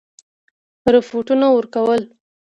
رپوټونه ورکول.